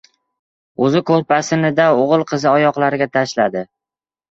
O‘zi ko‘rpasinida o‘g‘il- qizi oyoqlariga tashladi.